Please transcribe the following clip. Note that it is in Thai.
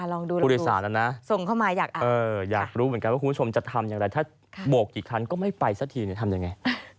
ลองดูละกันส่งเข้ามาอยากอ่ะคุณผู้ชมจะทำอย่างไรถ้าบวกกี่ครั้งก็ไม่ไปสักทีทำอย่างไร